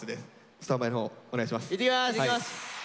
スタンバイのほうお願いします。